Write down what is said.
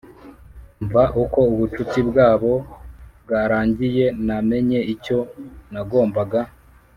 Mva uko ubucuti bwabo bwarangiye namenye icyo nagombaga